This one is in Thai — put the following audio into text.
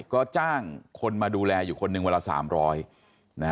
ก็จ้างคนมาดูแลอยู่คนหนึ่งวันละ๓๐๐